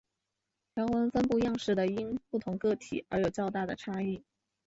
条纹分布样式的因不同个体而有较大的差异。